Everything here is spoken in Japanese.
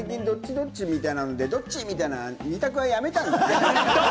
ドッチ？みたいなので、ドッチ？みたいな二択はやめたんだね。